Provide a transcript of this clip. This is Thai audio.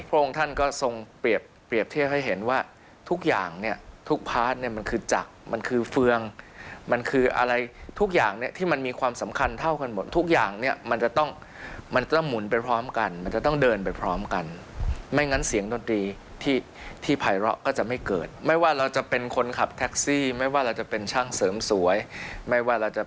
พระองค์ท่านก็ทรงเปรียบเทียบให้เห็นว่าทุกอย่างเนี่ยทุกพาร์ทเนี่ยมันคือจักรมันคือเฟืองมันคืออะไรทุกอย่างเนี่ยที่มันมีความสำคัญเท่ากันหมดทุกอย่างเนี่ยมันจะต้องมันต้องหมุนไปพร้อมกันมันจะต้องเดินไปพร้อมกันไม่งั้นเสียงดนตรีที่ที่ภัยเลาะก็จะไม่เกิดไม่ว่าเราจะเป็นคนขับแท็กซี่ไม่ว่าเราจะเป็นช่างเสริมสวยไม่ว่าเราจะ